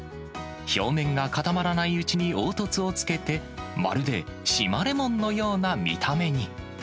表面が固まらないうちに凹凸をつけて、まるで島レモンのような見た目に。